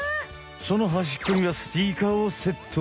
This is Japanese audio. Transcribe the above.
そのはしっこにはスピーカーをセット！